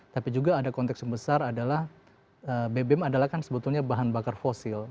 tapi juga ada konteks yang besar adalah bbm adalah kan sebetulnya bahan bakar fosil